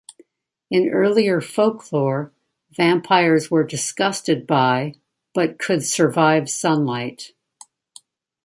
In earlier folklore, vampires were disgusted by, but could survive sunlight.